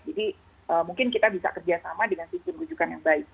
jadi mungkin kita bisa kerjasama dengan sistem perujukan yang baik